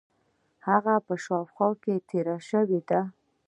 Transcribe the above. هغه په شاوخوا کې تېر شوی دی.